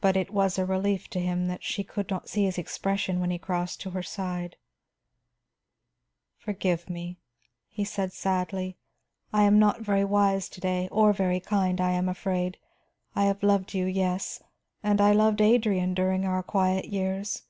But it was a relief to him that she could not see his expression when he crossed to her side. "Forgive me," he said sadly. "I am not very wise to day, or very kind, I am afraid. I have loved you; yes, and I loved Adrian during our quiet years.